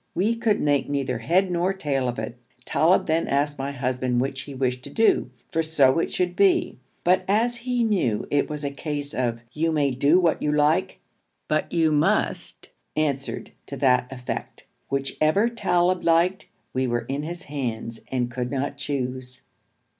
We could make neither head nor tail of it. Talib then asked my husband which he wished to do, for so it should be; but as he knew it was a case of 'You may do as you like, but you must,' answered to that effect, 'Whichever Talib liked, we were in his hands and could not choose.'